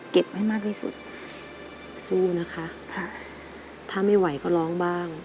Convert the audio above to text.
ให้มากที่สุดสู้นะคะค่ะถ้าไม่ไหวก็ร้องบ้าง